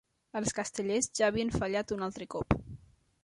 Els castellers ja havien fallat un altre cop.